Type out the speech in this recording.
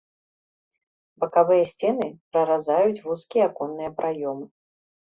Бакавыя сцены праразаюць вузкія аконныя праёмы.